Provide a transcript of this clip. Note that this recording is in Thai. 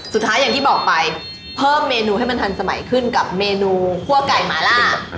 อย่างที่บอกไปเพิ่มเมนูให้มันทันสมัยขึ้นกับเมนูคั่วไก่หมาล่า